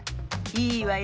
いいわよ。